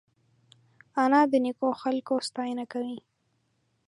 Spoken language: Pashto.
انا د نیکو خلکو ستاینه کوي